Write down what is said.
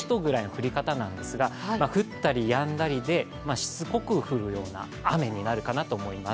降り方なんですが、降ったりやんだりで、しつこく降るような雨になるかと思います。